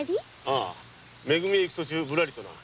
ああめ組へ行く途中ぶらりとな。